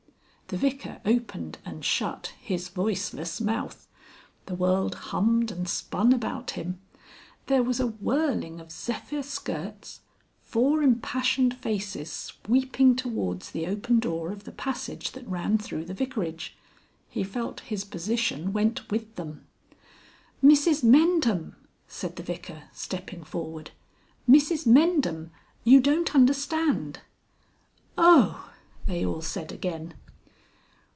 The Vicar opened and shut his voiceless mouth. The world hummed and spun about him. There was a whirling of zephyr skirts, four impassioned faces sweeping towards the open door of the passage that ran through the vicarage. He felt his position went with them. "Mrs Mendham," said the Vicar, stepping forward. "Mrs Mendham. You don't understand " "Oh!" they all said again.